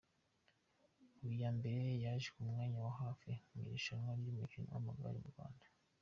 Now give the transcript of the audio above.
Habiyambere yaje ku mwanya wa hafi mu irushanywa ryumukino wamagare mu Rwanda”